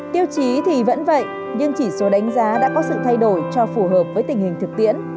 tiêu chí thì vẫn vậy nhưng chỉ số đánh giá đã có sự thay đổi cho phù hợp với tình hình thực tiễn